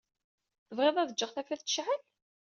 Tebɣiḍ ad ǧǧeɣ tafat tecɛel?